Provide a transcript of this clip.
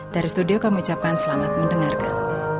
dari studio kami ucapkan selamat mendengarkan